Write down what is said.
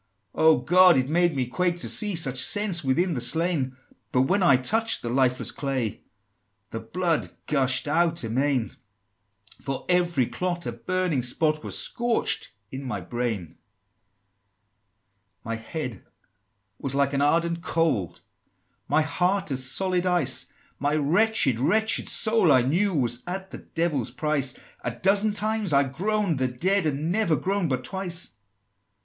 "Oh, God! it made me quake to see Such sense within the slain! But when I touched the lifeless clay, The blood gush'd out amain! For every clot, a burning spot Was scorching in my brain!" XIX. "My head was like an ardent coal, My heart as solid ice: My wretched, wretched soul, I knew, Was at the Devil's price: A dozen times I groan'd the dead Had never groan'd but twice!"